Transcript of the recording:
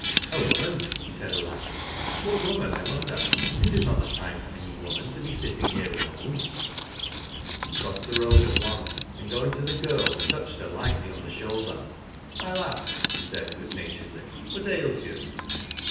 " A woman," he said aloud. " Wliat woman, I wonder Thip is not the time for any woman to be sitting hcrf abne." He crossed the road at once, and going to the giil, touched her lightly on the shoulder. " My lass," he said good naturedly, " what ails you